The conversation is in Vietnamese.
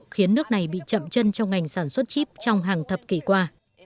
khiến nước này bị chậm chân trong ngành sản xuất chip trong hàng thập kỷ qua